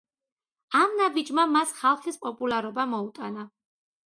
ამ ნაბიჯმა მას ხალხის პოპულარობა მოუტანა.